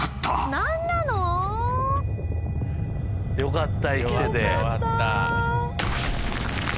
何なの⁉よかった。